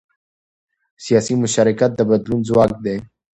سیاسي مشارکت د بدلون ځواک دی